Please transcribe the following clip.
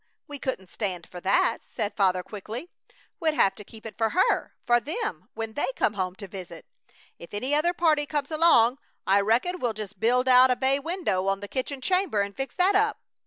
We couldn't stand for that!" said Father, quickly. "We'd have to keep it for her for them when they come home to visit! If any other party comes along I reckon we'll just build out a bay window on the kitchen chamber, and fix that up.